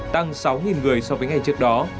tăng sáu người so với ngày trước đó